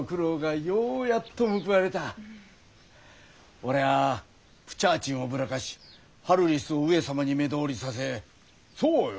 俺はプチャーチンをぶらかしハルリスを上様に目通りさせそうよ